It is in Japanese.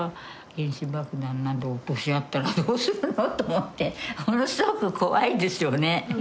原子爆弾など落とし合ったらどうするのと思ってものすごく怖いですよね。